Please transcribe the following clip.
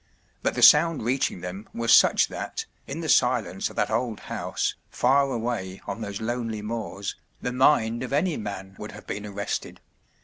But the sound reaching them was such that, in the silence of that old house, far away on those lonely moors, the mind of any man would have been arrested.